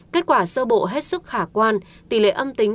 kết quả sơ bộ hết sức khả quan tỷ lệ âm tính